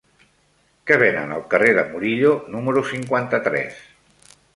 Què venen al carrer de Murillo número cinquanta-tres?